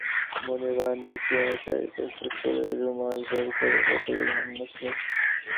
মুনির বারান্দায় চেয়ারটায় বসে পড়ে রুমাল বের করে কপালের ঘাম মুছল।